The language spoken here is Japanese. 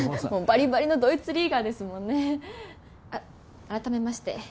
バリバリのドイツリーガーですもんねあっ改めまして